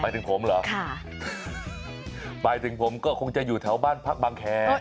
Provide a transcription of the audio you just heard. ถึงผมเหรอค่ะหมายถึงผมก็คงจะอยู่แถวบ้านพักบางแคร์